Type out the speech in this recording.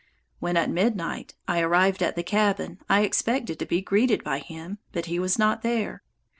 When, at midnight, I arrived at the cabin, I expected to be greeted by him, but he was not there.